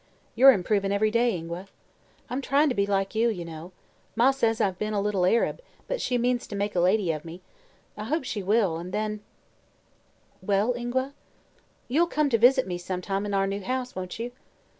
"You're improving every day, Ingua." "I'm tryin' to be like you, you know. Ma says I've been a little Arab, but she means to make a lady of me. I hope she will. And then " "Well, Ingua?" "You'll come to visit me, some time, in our new house; won't you?"